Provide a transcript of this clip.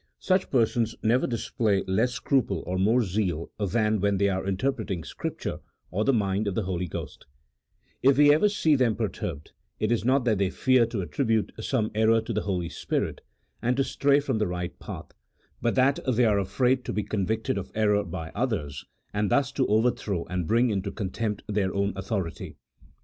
Such persons never display less scruple or more zeal than when they are interpreting Scripture or the mind of the Holy Ghost ; if we ever see them perturbed, it is not that they fear to attribute some error to the Holy Spirit, and to stray from the right path, but that they are afraid to be convicted of error by others, and thus to overthrow and bring into contempt their own authority.